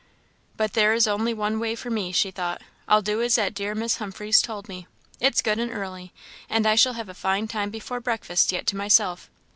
"But there is only one way for me," she thought; "I'll do as that dear Miss Humphreys told me it's good and early, and I shall have a fine time before breakfast yet to myself.